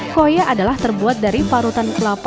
koya adalah terbuat dari parutan kelapa